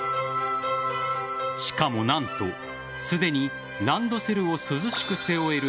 しかも、何とすでにランドセルを涼しく背負える